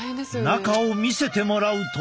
中を見せてもらうと。